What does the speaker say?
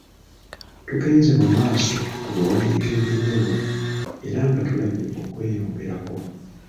Tugenze mu maaso ku biwandiiko eby’enjawulo era nga tulabye okweyogerako. ,